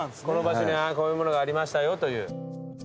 この場所にこういうものがありましたよという。